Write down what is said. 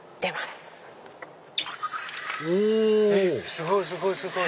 すごいすごいすごい。